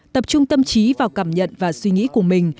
tập trung tâm trí vào cảm nhận và suy nghĩ của mình